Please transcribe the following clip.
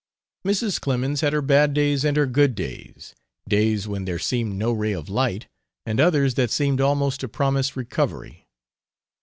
Mrs. Clemens had her bad days and her good days days when there seemed no ray of light, and others that seemed almost to promise recovery.